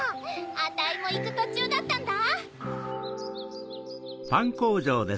あたいもいくとちゅうだったんだ！